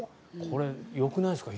これ、よくないですか？